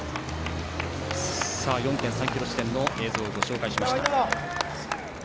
４．３ｋｍ地点の映像をご紹介しました。